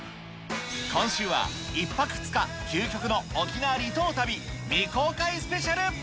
今週は、１泊２日究極の沖縄離島旅未公開スペシャル。